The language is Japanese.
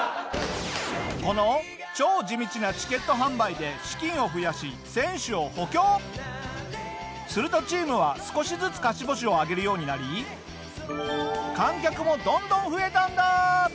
この超地道なチケット販売でするとチームは少しずつ勝ち星を挙げるようになり観客もどんどん増えたんだ！